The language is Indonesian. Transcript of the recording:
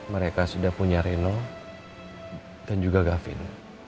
mereka sudah punya reno dan juga gavin